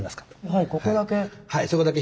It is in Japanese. はいここだけ。